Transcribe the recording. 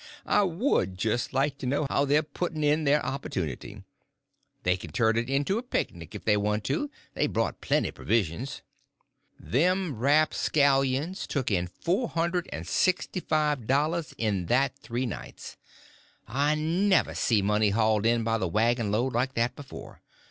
I would just like to know how they're putting in their opportunity. They can turn it into a picnic if they want to—they brought plenty provisions." Them rapscallions took in four hundred and sixty five dollars in that three nights. I never see money hauled in by the wagon load like that before.